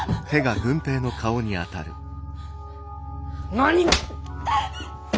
何！！